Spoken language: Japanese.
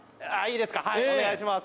はいお願いします。